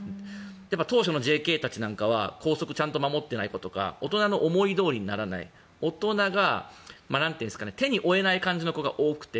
当初のＪＫたちなんかは校則をちゃんと守ってないとか大人の思いどおりにならない大人が手に負えない感じの子が多くて。